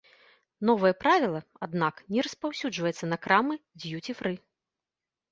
Новае правіла, аднак, не распаўсюджваецца на крамы д'юці-фры.